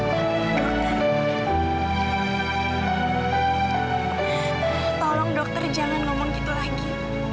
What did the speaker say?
tolong dokter jangan ngomong gitu lagi